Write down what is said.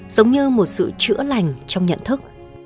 giống như một sự chữa lành trong nhận thức